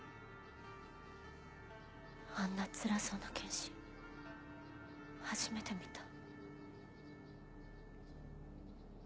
あんなつらそうな剣心初めて見た。